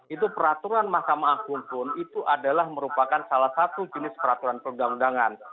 itu peraturan mahkamah agung pun itu adalah merupakan salah satu jenis peraturan perundang undangan